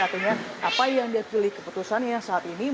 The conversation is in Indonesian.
artinya apa yang dia pilih keputusan yang saat ini